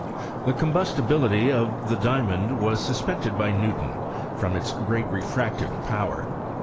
The combustibility of the diamond was suspected by I^ewton, from its great refractive power.